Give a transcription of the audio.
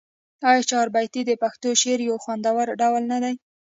آیا چهاربیتې د پښتو شعر یو خوندور ډول نه دی؟